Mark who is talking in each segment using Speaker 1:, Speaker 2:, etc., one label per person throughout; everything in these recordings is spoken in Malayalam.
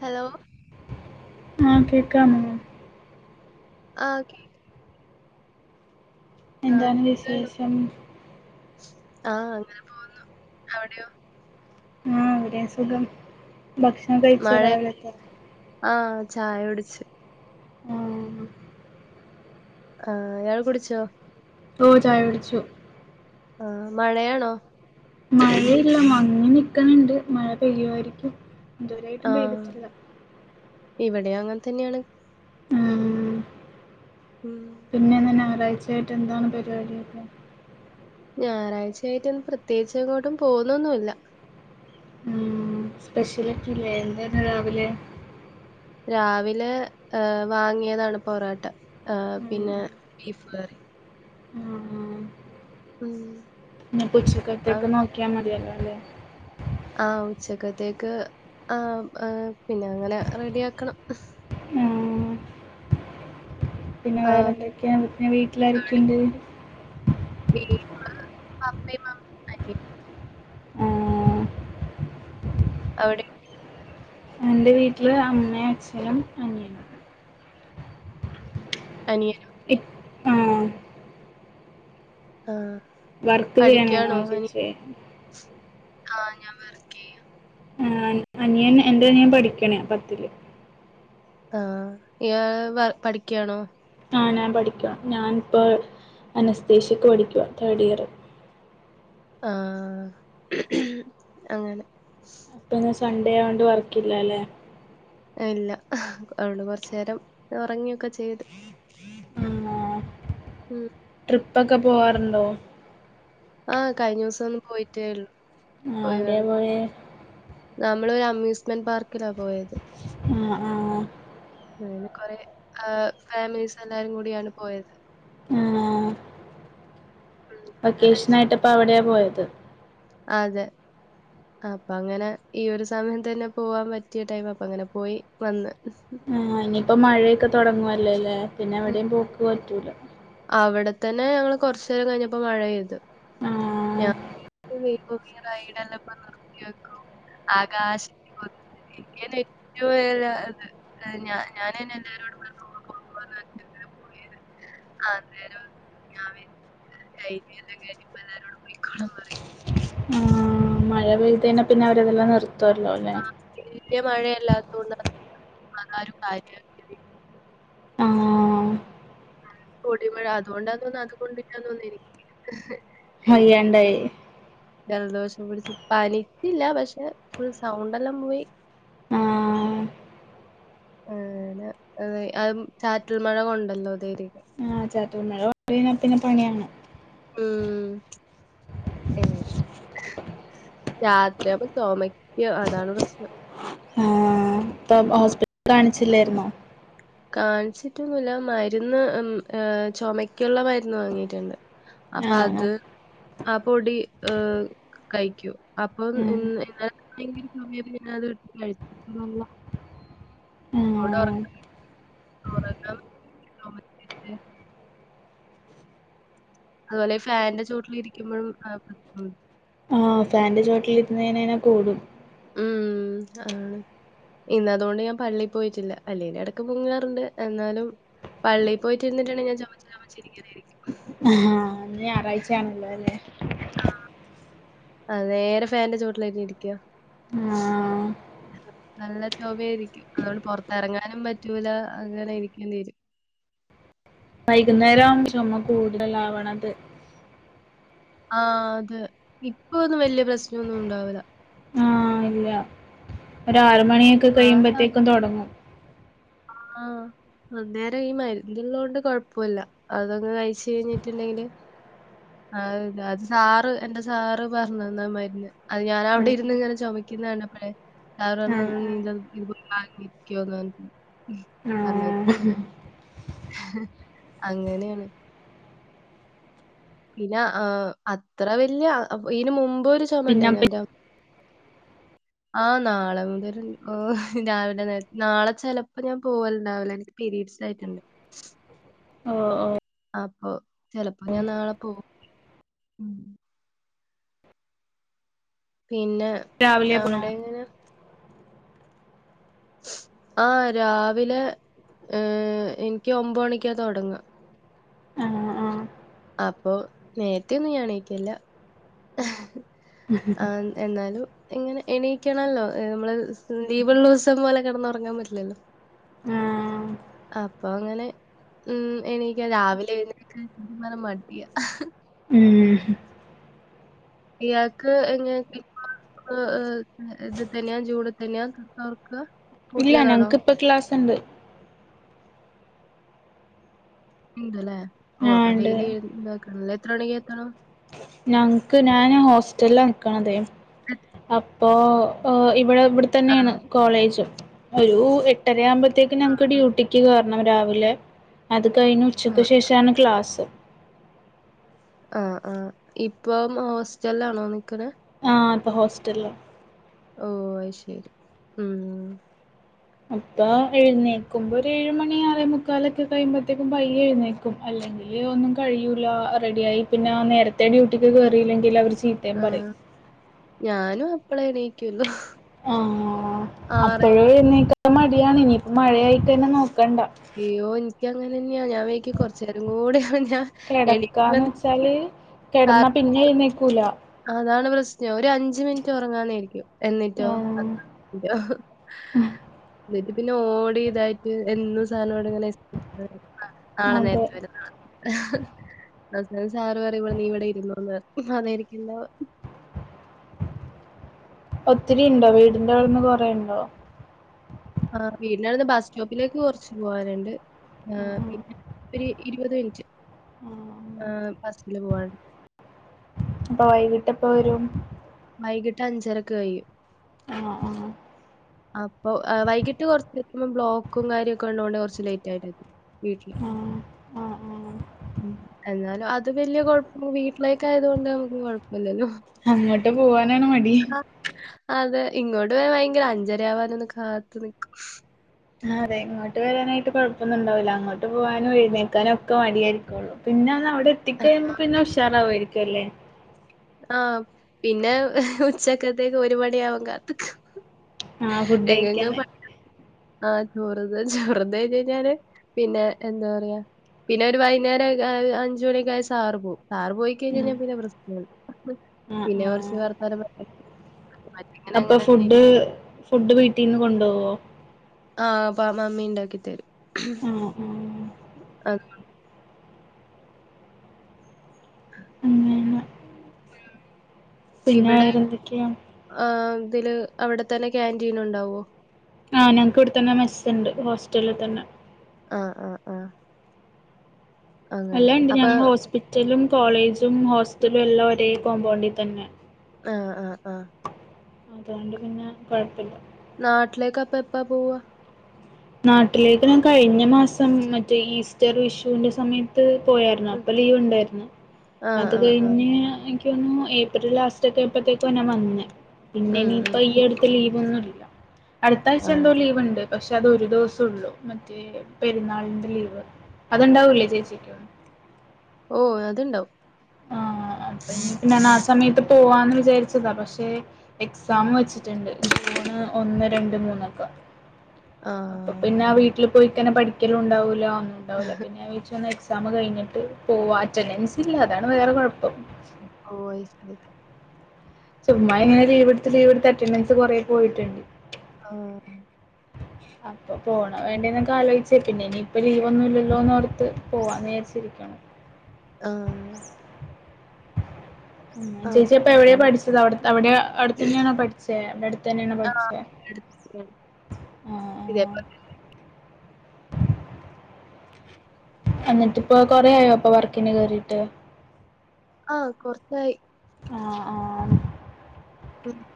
Speaker 1: ഹലോ
Speaker 2: ആഹ് കേക്കാമോ?
Speaker 1: ആ ക്കെ കേക്കാം.
Speaker 2: എന്താണ്
Speaker 1: സുഖാണോ?
Speaker 2: വിശേഷം?
Speaker 1: ആ അങ്ങനെ പോന്നു അവടെയോ?
Speaker 2: ആ ഇവിടെയും സുഖം ഭക്ഷണം കഴിച്ചോ
Speaker 1: മഴ
Speaker 2: രാവ്ലത്ത?
Speaker 1: ആ ചായ കുടിച്ച്
Speaker 2: ആഹ്
Speaker 1: ആഹ് ഇയാള് കുടിച്ചോ
Speaker 2: ഓ ചായ കുടിച്ചു
Speaker 1: ആഹ് മഴയാണോ
Speaker 2: മഴയില്ല മങ്ങി നിക്കണ് ണ്ട് മഴ പെയ്യുവായിരിക്കും. ഇതുവരായിട്ടും
Speaker 1: ആഹ്
Speaker 2: പെയ്തിട്ടില്ല
Speaker 1: ഇവിടേയ് അങ്ങൻത്തെന്യാണ്
Speaker 2: ഉം
Speaker 1: ഉം
Speaker 2: പിന്നെ ഇന്ന് ഞായറാഴ്ചയായിട്ട് എന്താണ് പരിപാടിയൊക്കെ
Speaker 1: ഞായറാഴ്ചയായിട്ടിന്ന് പ്രത്യേകിച്ച് എങ്ങോട്ടും പോകുന്നൊന്നു ഇല്ല.
Speaker 2: ഉം സ്പെഷ്യലാക്കിലേ എന്തായിര്ന്നു രാവിലെ
Speaker 1: രാവിലെ എ വാങ്ങിയതാണ് പൊറോട്ട ആ പിന്നെ ബീഫ് കറിം
Speaker 2: ആണോ
Speaker 1: ഉം
Speaker 2: ഇഞ്പ്പൊ
Speaker 1: ആ
Speaker 2: ഉച്ചക്കയ്ത്തേക്ക് നോക്കിയാ മതിയല്ലോ അല്ലേ
Speaker 1: ആഹ് ഉച്ചക്കയ്ത്തേക്ക് ആഹ് എഹ് പിന്നെ അങ്ങനെ റെഡി ആക്കണം
Speaker 2: ആഹ് പിന്നെ
Speaker 1: ആ
Speaker 2: വേറെന്തെക്കെയാ പിന്നെ വീട്ടിലാരെക്കെ ഇണ്ട്
Speaker 1: വീട്ട്ല് പപ്പയും മമ്മ്
Speaker 2: ആഹ്
Speaker 1: അവ്ടെ
Speaker 2: എൻ്റെ വീട്ട്ല് അമ്മേം അച്ഛനും അനിയനും
Speaker 1: അനിയനും
Speaker 2: [unintelligible] ആഹ്
Speaker 1: ആഹ്
Speaker 2: വർക്ക് ചെയ്യാണോ എങ്ങനേണ് ചേച്ചി
Speaker 1: ആഹ് ഞാന് വർക്കെയ്യാ
Speaker 2: ആഹ് അനി അനിയൻ എന്റനിയൻ പഠിക്കണ് പത്തില്
Speaker 1: ആഹ് ഇയാ വ പഠിക്ക്യാണോ
Speaker 2: ആഹ് ഞാൻ പഠിക്കുവാ ഞാന് ഇപ്പോ അനസ്തേഷ്യക്ക് പഠിക്കുവാ തേർഡ് ഇയർ
Speaker 1: ആഹ് അങ്ങനെ
Speaker 2: അപ്പ ഇന്ന് സൺഡേ ആയോണ്ട് വർക്കില്ല അല്ലേ
Speaker 1: ഇല്ല അഓണ്ട് കൊർച്ചേരം ഒറങ്ങിയൊക്കെ ചെയ്ത്
Speaker 2: ആഹ്
Speaker 1: ഉം
Speaker 2: ട്രിപ്പക്കെ പോവാറുണ്ടോ
Speaker 1: ആഹ് കഴിഞ്ഞുസം ഒന്ന് പോയിറ്റേ ഒള്ളൂ
Speaker 2: ആഹ് എവിടെയാ പോയേ
Speaker 1: നമ്മള് ഒര് അമ്യൂസ്മെന്റ് പാർക്കിലാ പോയത്
Speaker 2: ആഹ് ആഹ്
Speaker 1: അങ്ങനെ കൊറേ ഫാമിലീസ് എല്ലാരും കൂടിയാണ് പോയത്
Speaker 2: ആഹ്
Speaker 1: ഉം അടിച്ചു
Speaker 2: വെക്കേഷ്നായിട്ട് ഇപ്പ അവിടെയാ പോയത്
Speaker 1: അതെ അപ്പ അങ്ങന ഈ ഒരു സമയം തന്നെ പോവാൻ പറ്റിയ ടൈമ് അപ്പ അങ്ങന പോയി വന്ന്
Speaker 2: ഏ ഇനിയിപ്പൊ മഴയൊക്കെ തൊടങ്ങുവല്ലേ ല്ലേ പിന്നെ എവിടെയും പോക്ക് പറ്റൂല
Speaker 1: അവിടത്തന്നെ ഞങ്ങള് കൊർച്ചേരം കഴിഞ്ഞപ്പോ മഴ പെയ്ത് ഞാ
Speaker 2: ആ
Speaker 1: വീ പുതിയ റൈഡെല്ലാം ഇപ്പം നിർത്തി വെക്കും ആകാശത്തി കൂടി എനിക്കയില് ഏറ്റവും ഏല് അത് ഏഹ് ഞാ ഞാനെന്നെ എല്ലാരോടും പറഞ്ഞു ആഹ് അന്നേരം ഞാന് കഴിഞ്ഞ് [unintelligible] എല്ലരോട് പോയിക്കോളാം പറിയും
Speaker 2: ആഹ് ഉം മഴ പെയ്തേനാ പിന്നെ അവര് അതല്ലാം നിർത്തല്ലോ അല്ലേ
Speaker 1: വല്ല്യ മഴയല്ലാത്തോണ്ട് [unintelligible] ആരും കാര്യ
Speaker 2: ആഹ്
Speaker 1: പൊടിമഴ അത് കൊണ്ടാ തോന്ന് അത് കൊണ്ടിട്ടന്ന് വന്നീനി
Speaker 2: വയ്യാണ്ടായേ
Speaker 1: ജലദോഷം പിടിച്ച് പനിച്ചില്ല പക്ഷേ ഫുള്ള് സൗണ്ടല്ലാം പോയി
Speaker 2: ആഹ്
Speaker 1: അങ്ങനെ അതെ ആഹ് ചാറ്റൽ മഴ കൊണ്ടല്ലോ അതേരിക്കും
Speaker 2: ആഹ് ചാറ്റൽ മഴ കൊണ്ട് കഴിഞ്ഞാ പിന്നെ പണിയാണ്
Speaker 1: ഉം എനി രാത്രിയാവുമ്പോ ചൊമയ്ക്കും അതാണ് പ്രശ്നം
Speaker 2: അപ്പം ഹോസ്പിറ്റല് കാണിച്ചില്ലേരുന്നോ
Speaker 1: കാണ്ച്ചിട്ടൊന്നുല്ല മരുന്ന് ഉം ഏഹ് ചൊമക്കുള്ള മരുന്ന് വാങ്ങിയിട്ടുണ്ട് അപ്പ
Speaker 2: ആഹ്
Speaker 1: അത്
Speaker 2: ആഹ്
Speaker 1: ആ പൊടി ഏഹ് കഴിക്ക്യും അപ്പം
Speaker 2: ഉം
Speaker 1: ഇന്ന ഇന്നലത്തെങ്കിലും സമയത്ത് പിന്നെ അത് എടുത്ത് കഴി ഇല്ലല്ല അവടെ ഒറ
Speaker 2: ആഹ്
Speaker 1: ഒറങ്ങാം അതുപോലെ ഈ ഫാന്റെ ചോട്ടില് ഇരിക്ക്യുമ്പഴും ആഹ് ഉം
Speaker 2: ആഹ് ഫാന്റെ ചോട്ടിലിര്ന്നഴിഞ്ഞ് കഴിഞ്ഞാ കൂടും
Speaker 1: ഉം ആണ് ഇന്ന് അതോണ്ട് ഞാൻ പള്ളി പോയിട്ടില്ല അല്ലേല്ലും എടക്ക് മുങ്ങാറുണ്ട് എന്നാലും പള്ളി പോയിട്ട് ഇരിന്നിട്ടേല് ഞാൻ ചൊമച്ച് ചൊമച്ച് ഇങ്ങനെയിരിക്കും
Speaker 2: ആഹ് ഹാ ഇന്ന് ഞായറാഴ്ചയാണല്ലോ അല്ലേ
Speaker 1: ആഹ് ആഹ് നേരെ ഫാന്റെ ചോട്ടിലായിട്ട് ഇരിക്കോ
Speaker 2: ആഹ്
Speaker 1: നല്ല ചൊമേരിക്കും അതോണ്ട് പൊറത്തറങ്ങാനും പറ്റൂല അങ്ങനെ ഇരിക്കേണ്ടി വരും
Speaker 2: വൈകുന്നേരം ചൊമ കൂടുതലാവ്ണത്
Speaker 1: ആഹ് അത് ഇപ്പ ഒന്നും വെല്ല്യ പ്രശ്നൊന്നും ഇണ്ടാവുല്ല
Speaker 2: ആഹ് ഇല്ല ഒരു ആറ് മണിയെക്കെ
Speaker 1: ആ
Speaker 2: കഴിയുമ്പത്തേക്കും തൊടങ്ങും
Speaker 1: ആഹ് അന്നേരം ഈ മര്ന്ന്ള്ളോണ്ട് കൊഴപ്പല്ല അതങ്ങ് കഴിച്ച് കഴിഞ്ഞിട്ട്ണ്ടെങ്കില് അത് അത് സാറ് എന്റെ സാറ് പറഞ്ഞന്നാ മരുന്ന് അത് ഞാനാ അവടെ
Speaker 2: ആഹ്
Speaker 1: ഇരുന്ന് ഇങ്ങനെ ചൊമ ക്കിന്ന കണ്ടപ്പഴെ സാർ പറഞ്ഞ്
Speaker 2: ആഹ്
Speaker 1: നീ ഇത്
Speaker 2: ആഹ്
Speaker 1: ഇതൊന്ന് വാങ്ങിക്ക്യോന്നർഞ്ഞ് ഉം പറ്ഞ്ഞയി
Speaker 2: ഉം
Speaker 1: അങ്ങനേണ് പിന്നെ ആ അത്ര വെല്ല്യ അപ് ഈന് മുമ്പ് ഒരു ചൊമ
Speaker 2: പിന്നെ പി
Speaker 1: ഇണ്ടേനല്ലോ [inaudible] ആഹ് നാളെ മുതല് ഓഹ് രാവിലെ നേര് നാളെ ചെലപ്പം ഞാൻ പോവല് ഇണ്ടാവൂല്ല എനിക്ക് പിരീഡ്സായിട്ടുണ്ട്
Speaker 2: ഓഹ് ഓഹ്
Speaker 1: അപ്പൊ ചെലപ്പോ ഞാൻ നാളെ പോവു ഉം പിന്നെ
Speaker 2: രാവിലെ പോണോ
Speaker 1: അവിടെ എങ്ങനെ ആഹ് രാവിലെ ഏഹ് ഇന്ക്കി ഒമ്പണിക്കാ തൊടങ്ങാ
Speaker 2: ആഹ് ആഹ്
Speaker 1: അപ്പൊ നേരത്തെ ഒന്നും ഞാൻ എണീക്കേല്ല ആഹ് എന്നാലും ഇങ്ങനെ എണീക്കണല്ലോ നമ്മള് ലീവ്ള്ളൂസം പോലെ കിടന്ന് ഉറങ്ങാൻ പറ്റില്ലല്ലോ
Speaker 2: ആഹ്
Speaker 1: അപ്പൊ അങ്ങനെ ഉം എണീക്ക രാവിലെ എഴുന്നേക്കാൻ മടിയ
Speaker 2: ഉം
Speaker 1: ഇയാക്ക് എങ്ങനെണ്ട് ഇപ്പ ഏഹ് ഏഹ് ഇത് തന്നെയാ ജൂണി തന്നെയാ തൊർക്ക
Speaker 2: ഇല്ല ഞങ്ങക്ക്പ്പ ക്ലാസ്ണ്ട്
Speaker 1: ഇണ്ട്ല്ലേ ഓഹ്
Speaker 2: ആഹ്
Speaker 1: അപ്പൊ
Speaker 2: ഇണ്ട്
Speaker 1: ഡെയിലി ഇതാക്കണല്ലേ എത്ര മണിക്ക് എത്തണം
Speaker 2: ഞങ്ങക്ക് ഞാൻ ഹോസ്റ്റലില നിക്കണതെ
Speaker 1: എ-
Speaker 2: അപ്പോ ഇവിടെ ഇവിടെ ത്തന്നെയാണ്
Speaker 1: ആണോ?
Speaker 2: കോളേജ് ഒരു എട്ടര ആമ്പോത്തെക്ക് ഞങ്ങക്ക് ഡ്യൂട്ടിക്ക്‌ കേറണ റണം രാവിലെ അത് കഴിഞ്ഞു
Speaker 1: ആ
Speaker 2: ഉച്ചക്ക് ശേഷാണ് ക്ലാസ്സ്
Speaker 1: ആഹ് ആഹ് ഇപ്പം ഹോസ്റ്റലിലാണോ നിക്കണെ
Speaker 2: ആഹ് ഇപ്പം ഹോസ്റ്റലില
Speaker 1: ഓഹ് അയ് ശരി ഉം
Speaker 2: അപ്പൊ എഴുന്നേക്കുമ്പോ ഒരു ഏഴുമണി ആറേ മുക്കാലൊക്കെ കഴിയുമ്പോഴത്തേക്കും പയ്യേ എഴുന്നേക്കും അല്ലെ ഒന്നും കഴിയൂല്ല റെഡിയായി പിന്നെ നേരത്തെ ഡ്യൂട്ടിക്ക് കയറിയില്ലെങ്കി അവര് ചീത്ത
Speaker 1: ആഹ് ഞാനും അപ്പളെ എണീകൊള്ളു
Speaker 2: ആഹ് അപ്പോഴും എഴുന്നേക്കാ മടിയാണ് ഇനിയിപ്പോ മഴയായിക്കഴിഞ്ഞ നോക്കണ്ട
Speaker 1: അയ്യോ എനിക്കങ്ങനെ അന്നെയാ ഞാൻ വൈക്ക് കുറച്ച് നേരം കൂടെയ ഞാൻ
Speaker 2: കിടക്കാന്ന്
Speaker 1: എണീക്കുമെന്ന്
Speaker 2: വെച്ചാല് കിടന്ന പിന്നെ എഴുന്നേക്കൂല
Speaker 1: അതാണ് പ്രശ്നം ഒരു അഞ്ച് മിനിറ്റ് ഉറങ്ങാന്ന് വിചാരിക്കും എന്നിട്ടോ
Speaker 2: ആഹ്
Speaker 1: എന്നിട്ട് പിന്നെ ഓടി ഇതായിട്ട് എന്നും സാറിനോട് ഇങ്ങനെ നാളെ
Speaker 2: അതെ
Speaker 1: നേരത്തെ വരും നാ അപ്പോ സാറ് പറേം ഇവിടെ നീ ഇവിടെ ഇരുന്നോന്നറയും അതായിരിക്കല്ല
Speaker 2: ഒത്തിരി ഇണ്ടോ വീടിന്റെ അവിടുന്ന് കൊറേ ഇണ്ടോ?
Speaker 1: ആഹ് വീടിൻ്റെ അവിടുന്ന് ബസ് സ്റ്റോപ്പിലേക്ക് കുറച്ച് പോകാനുണ്ട് ആഹ് പിന്നെ ഇത്തിരി ഇരുപത് മിനിറ്റ് ആഹ് ബസ്സില് പോവാൻ
Speaker 2: അപ്പൊ വൈകിട്ട് എപ്പ വരും?
Speaker 1: വൈകിട്ട് അഞ്ചരക്ക് കഴിയും.
Speaker 2: ആഹ് ആഹ്
Speaker 1: അപ്പൊ വൈകിട്ട് കുറച്ച് എത്തുമ്പോ ബ്ലോക്കും കാര്യൊക്കെ ഉള്ളോണ്ട് കുറച്ച് ലേറ്റ് ആയിട്ടാ എത്തി വീട്ടില്
Speaker 2: ആഹ് ആഹ് ആഹ്
Speaker 1: എന്നാലും അ അത് വലിയ കുഴപ്പ വീട്ടിലേക്ക് ആയതോണ്ട് നമുക്കും കുഴപ്പില്ലല്ലോ.
Speaker 2: അങ്ങോട്ട് പോവാനാണ് മടി.
Speaker 1: അതെ ഇങ്ങോട് വേ ഭയങ്കര അഞ്ചര ആവാനൊന്ന് കാത്തു നിക്കും.
Speaker 2: ആഹ് അതെ ഇങ്ങോട്ട് വരാനായിട്ട് കുഴപ്പമൊന്നും ഉണ്ടാവില്ല അങ്ങോട്ട് പോവാനും എഴുന്നേക്കാനും ഒക്കെ മടിയായിരിക്കോളൂ പിന്നെ ഒന്ന് അവി ടെത്തി
Speaker 1: ആ
Speaker 2: കഴിയുമ്പോ പിന്നെ ഉഷാറാവായിരിക്കും അല്ലേ.
Speaker 1: ആഹ് പിന്നെ ഉച്ചക്കത്തേക്ക് ഒരു മണിയാവാൻ കാത്തു നിക്കും.
Speaker 2: ആ ഫുഡ്
Speaker 1: എങ്ങെങ്ങ്
Speaker 2: കഴിക്കാന്
Speaker 1: പ ആഹ് ചോറുത് ചോറുത് കഴിഞ്ഞ് കഴിഞ്ഞാല് പിന്നെ എന്താ പറയാ പിന്നെ ഒരു വൈകുന്നേരക്കെ അഞ്ചു മണിയൊക്ക ആയ സാറ് പോകും. സാറ് പോയി കഴിഞ്ഞ് കഴിഞ്ഞാ പിന്നെ പ്രശ്‌നാണ്.
Speaker 2: ആഹ് ആഹ്
Speaker 1: അങ്ങനെ
Speaker 2: അപ്പൊ
Speaker 1: അങ്ങനെ തന്നെ
Speaker 2: ഫുഡ്
Speaker 1: ഇരിക്കും.
Speaker 2: ഫുഡ് വീട്ടീന്ന് കൊണ്ടു പോകോ?
Speaker 1: ആഹ് അപ്പ മമ്മി ഇണ്ടാക്കി തരും.
Speaker 2: ആ ആ ഉം
Speaker 1: അങ്ങനെ ആഹ്
Speaker 2: പിന്നെ വേറെ എന്തൊക്കെയാ?
Speaker 1: ആഹ് ഇതില് അവിടെത്തന്നെ ക്യാന്റീൻ ഉണ്ടാവോ?
Speaker 2: ആഹ് ഞങ്ങൾക്ക് ഇവിടെ തന്നെ മെസ്സ് ഉണ്ട്. ഹോസ്റ്റലിൽ തന്നെ.
Speaker 1: ആഹ് ആഹ് ആഹ് അങ്ങനെ അപ്പെ
Speaker 2: റ്റലും കോളേജും ഹോസ്റ്റലും എല്ലാം ഒരേ കോമ്പൗണ്ടിൽ തന്നെ.
Speaker 1: ആഹ് ആഹ് ആഹ്
Speaker 2: അതോണ്ട് പിന്നെ കുഴപ്പമില്ല.
Speaker 1: നാട്ടിലേക്ക് അപ്പെ എപ്പ പോവാ?
Speaker 2: നാട്ടിലേക്ക് ഞാൻ കഴിഞ്ഞ മാസം മറ്റേ ഈസ്റ്റർ, വിഷുവിന്റെ സമയം സമയത്ത്പോയായിരുന്നു. അപ്പൊ ലീവ് ഉണ്ടായിരുന്നു.
Speaker 1: ആഹ്
Speaker 2: അത്
Speaker 1: ആഹ് ആഹ്
Speaker 2: കഴിഞ്ഞ് എനിയ്ക്ക് തോന്നുന്നു ഏപ്രിൽ ലാസ്റ്റ് ഒക്കെ ആയപ്പോഴത്തേക്കാ വന്നേ. പിന്നെ
Speaker 1: ഉം
Speaker 2: ഇനിയിപ്പ
Speaker 1: ഉം
Speaker 2: ഈ അടു ത്ത് ലീവ് ഒന്നുംല്ല. അടുത്ത ആഴ്ച എന്തോ
Speaker 1: ആണല്ലേ
Speaker 2: ലീവ് ഉണ്ട്. പക്ഷെ അത് ഒരു ദിവസം ഉള്ളൂ. മറ്റേ പെരുന്നാളിന്റെ ലീവ്. അത് ഇണ്ടാവൂല്ലേ ചേച്ചിക്ക്.
Speaker 1: ഓഹ് അതുണ്ടാവും.
Speaker 2: ആഹ് അപ്പെ ഇനി ഇപ്പ ഞാൻ ആഹ് സമയത്ത് പോവാന്ന് വിചാരിച്ചതാ. പക്ഷെ എക്സാം വെച്ച് ട്ടുണ്ട്. ജൂൺ ഒന്ന്, രണ്ട്, മൂന്നൊക്കെ അപ്പൊ
Speaker 1: ആഹ്
Speaker 2: പിന്നെ വീ വീട്ടിൽ പോയിക്കഴിഞ്ഞ പഠിക്കലും ഉണ്ടാവൂല്ല. ഒന്നും ഉണ്ടാവൂല്ല. അപ്പ ഞാൻ വേച്ചു എക്സാം കഴിഞ്ഞിട്ട് പോവാ. അറ്റൻഡൻസ് ഇല്ല അതാണ് വേറെ കുഴപ്പം.
Speaker 1: ഓഹ് അയ്ശരി
Speaker 2: ചുമ്മാ ഇങ്ങനെ ലീവെടുത്ത് ലീവ് എടുത്ത് അറ്റൻഡൻസ് കുറേ പോയിട്ടുണ്ട്.
Speaker 1: ആഹ്
Speaker 2: [inaudible] അപ്പൊ പോണോ വേണ്ടേന്നൊക്കെ ആലോചിച്ച് പിന്നെ ഇനിയിപ്പ ലീവൊന്നും ഇല്ലല്ലോന്ന് ഓർത്ത് പോവാന്ന് വിചാരിച്ചിരിക്കണു.
Speaker 1: ആഹ്.
Speaker 2: ചേച്ചി ഇപ്പൊ എവിടെയാ
Speaker 1: അപ്പം
Speaker 2: പഠിച്ചത്? അവിടെ അവിടെ അടുത്തന്നെയാണോ പഠിച്ചെ? അവിടെ അടുത്ത് തന്നെയാണോ പഠിച്ചെ?
Speaker 1: [unintelligible] ഇതേപോലെ
Speaker 2: ആ എന്നിട്ട് ഇപ്പൊ കൊറ ആയോ ഇപ്പൊ വർക്കിന് കേയറിയിട്ട്.
Speaker 1: ആഹ് കൊറച്ചായി.
Speaker 2: ആഹ് ആഹ്
Speaker 1: [inaudible]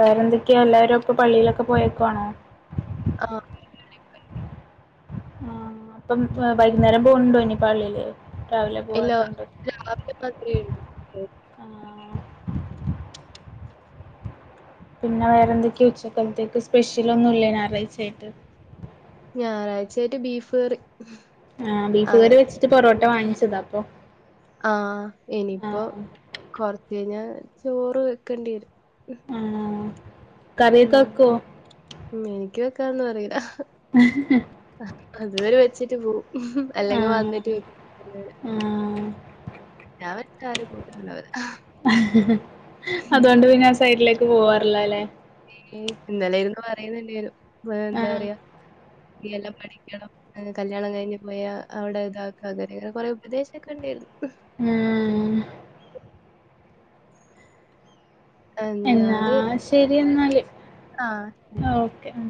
Speaker 2: വേറെ എന്തൊക്കെയാ എല്ലാരും ഇപ്പൊ പള്ളിയിലൊക്കെ പോയേക്കു ആണോ.
Speaker 1: ആഹ്
Speaker 2: ആ അപ്പം വൈകുന്നേരം പോകുന്നുണ്ടോ ഇനി പള്ളിയില്. രാവിലെ പോവാത്തൊണ്ട്.
Speaker 1: രാത്രി മാത്രയുള്ളൂ.
Speaker 2: ആ പിന്നെ വേറെ എന്തൊക്കെയും ഉച്ചക്കത്തേക്ക് സ്പെഷ്യൽ ഒന്നും ഇല്ലേ ഞായറാഴ്ച ആയിട്ട്.
Speaker 1: ഞായറാഴ്ചയായിട്ട് ബീഫ് കറി.
Speaker 2: ആഹ് ബീഫ് കറി വെച്ചിട്ട് പൊറോട്ട വാങ്ങിച്ചതാ അപ്പൊ.
Speaker 1: ആഹ്
Speaker 2: ആ
Speaker 1: ഇനിയിപ്പോ കൊറച്ച് കഴിഞ്ഞാ ചോറ് വെക്കേണ്ടി വരും.
Speaker 2: ആഹ് കറിയൊക്കെ വെക്കുവോ?
Speaker 1: ഉ എനിക്ക് വെക്കാനൊന്നും അറിയില്ല.
Speaker 2: [unintelligible]
Speaker 1: അതുവരെ വെച്ചിട്ട് പോ
Speaker 2: ആഹ് ആഹ്
Speaker 1: ഞാൻ വച്ചാ ആരും കൂട്ടത്ത്ണ്ടാവ്‌ല്ല ഉം
Speaker 2: അതുകൊണ്ട് പിന്നെ സൈഡ്ലേ ക്ക് പോവാറ്ല്ലലേ
Speaker 1: ഉം ഇന്നെലെയിര്ന്ന് പറയ്ന്ന്ണ്ടേരു
Speaker 2: ആ
Speaker 1: എന്താ പറയാ ഇയ്യെല്ലാം പഠിക്കണം കല്യാണം കയ്ഞ്ഞ് പോയാ അവ്ടെ താക്ക അങ്ങെനെങ്ങെനെ കൊറേ ഉപദേശെക്കെ ണ്ടേയ്ര്ന്നു
Speaker 2: ഊം എന്നാ
Speaker 1: എന്നാല്
Speaker 2: ശെരി
Speaker 1: ശരിയെന്നാ
Speaker 2: എന്നാല്
Speaker 1: ആഹ് ശരി
Speaker 2: ആഹ് ഓക്കെ ഉം